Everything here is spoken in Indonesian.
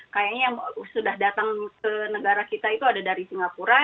kayaknya yang sudah datang ke negara kita itu ada dari singapura